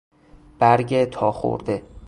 برگ تاخورده